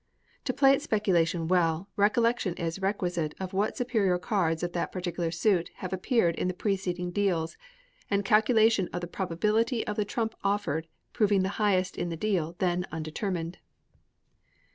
To play at speculation well, recollection is requisite of what superior cards of that particular suit have appeared in the preceding deals, and calculation of the probability of the trump offered proving the highest in the deal then undetermined.